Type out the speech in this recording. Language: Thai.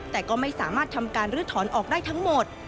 แต่ก็ไม่สามารถทำการลื้อถอนออกได้ทั้งหมด